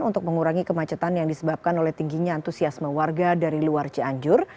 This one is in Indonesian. untuk mengurangi kemacetan yang disebabkan oleh tingginya antusiasme warga dari luar cianjur